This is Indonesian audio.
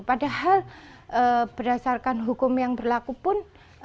padahal berdasarkan hukum yang berlaku pun